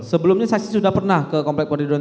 sebelumnya saksi sudah pernah ke komplek polri durian tiga